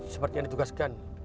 seperti yang ditugaskan